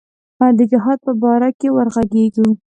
د جهاد په باره کې وږغیږو.